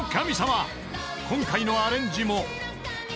［今回のアレンジも］